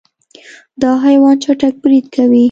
دا حیوان چټک برید کوي.